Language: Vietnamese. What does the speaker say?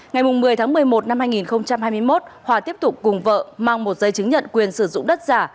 ngày một mươi tháng một mươi một năm hai nghìn hai mươi một hòa tiếp tục cùng vợ mang một giấy chứng nhận quyền sử dụng đất giả